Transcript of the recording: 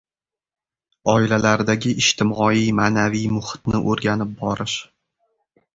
oilalardagi ijtimoiy-ma’naviy muhitni o‘rganib borish